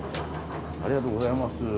ありがとうございます。